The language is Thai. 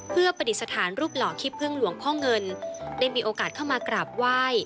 เพื่อปฏิสถานรูปหล่อขี้พึ่งหลวงพ่อเงินได้มีโอกาสเข้ามากราบไหว้